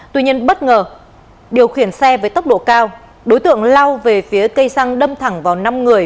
tuy nhiên bất ngờ điều khiển xe với tốc độ cao đối tượng lao về phía cây xăng đâm thẳng vào năm người